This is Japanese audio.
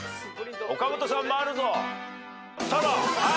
岡本さんもあるぞ。